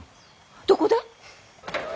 どこで？